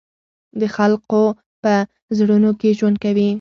د خلقو پۀ زړونو کښې ژوند کوي،